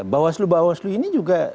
bawah selu bawah selu ini juga